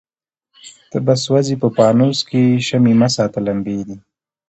ته به سوځې په پانوس کي شمعي مه ساته لمبې دي